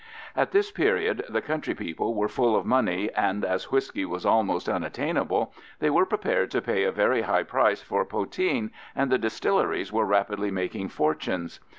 At this period the country people were full of money, and as whisky was almost unattainable, they were prepared to pay a very high price for poteen, and the distilleries were rapidly making fortunes.